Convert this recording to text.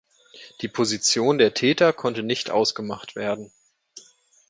Die Position der Täter konnte nicht ausgemacht werden.